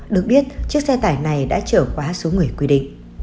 được biết chiếc xe tải này đã trở quá số người quy định